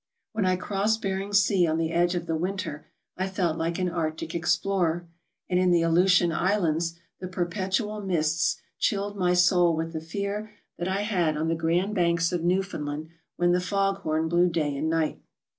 When I crossed Bering Sea on the edge of the winter I felt like an Arctic explorer, and in the Aleutian Islands the perpetual mists chilled my soul with the fear that I had on the Grand Banks of Newfoundland when the fog horn blew day and night.